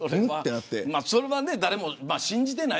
それは誰も信じてない。